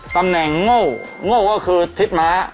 ตำแหน่งโง่โง่ก็คือทิศม้า